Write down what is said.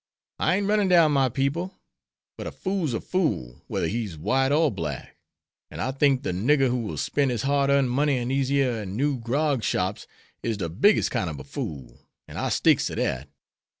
"I ain't runnin' down my people. But a fool's a fool, wether he's white or black. An' I think de nigger who will spen' his hard earned money in dese yere new grog shops is de biggest kine ob a fool, an' I sticks ter dat.